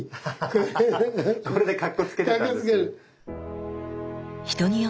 これでかっこつけてたんですね。